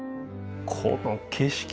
この景色！